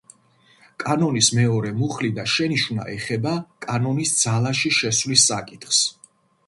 კანონის მეორე მუხლი და შენიშვნა ეხება კანონის ძალაში შესვლის საკითხს.